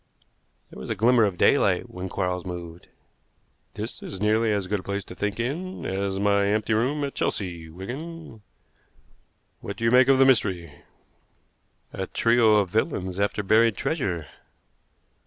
There was a glimmer of daylight when Quarles moved. "This is nearly as good a place to think in as my empty room at Chelsea, Wigan. What do you make of the mystery?" "A trio of villains after buried treasure."